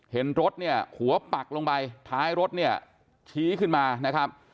เห็นรถเนี่ยหัวปักลงไปท้ายรถเนี่ยชี้ขึ้นมานะครับ